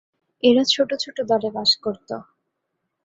এরা ছোট ছোট দলে বাস করতো।